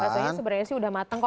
bakso nya sebenarnya sih udah mateng